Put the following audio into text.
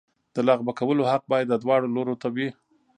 د لغوه کولو حق باید دواړو لورو ته وي.